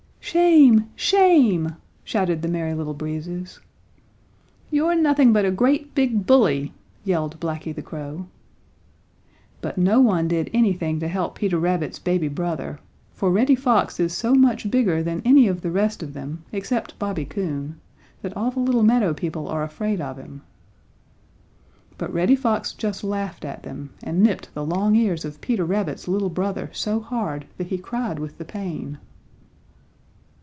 "Shame! Shame!" shouted the Merry Little Breezes. "You're nothing but a great big bully!" yelled Blacky the Crow. But no one did anything to help Peter Rabbit's baby brother, for Reddy Fox is so much bigger than any of the rest of them, except Bobby Coon, that all the little meadow people are afraid of him. But Reddy Fox just laughed at them, and nipped the long ears of Peter Rabbit's little brother so hard that he cried with the pain.